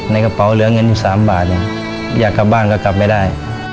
ในกระเป๋าเหลือเงินอยู่๓บาทอยากกลับบ้านก็กลับไม่ได้